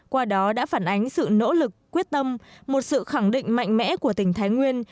qua đó đã phản ánh sự nỗ lực quyết tâm một sự khẳng định mạnh mẽ của tỉnh thái nguyên